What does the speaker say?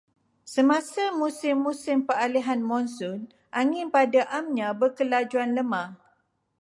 Semasa musim-musim peralihan monsun, angin pada amnya berkelajuan lemah.